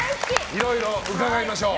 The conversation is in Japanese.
いろいろ伺いましょう。